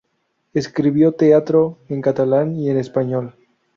Escribió teatro en catalán y en español.